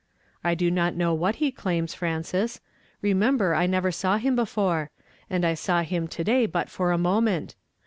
" I do not know what he claims, Frances ; re member I never saw him before, and I saw liim to tlay but for a moment